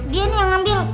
dia nih yang ambil